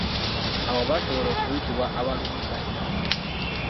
Abo basobola okuyitibwa abalumikattaka.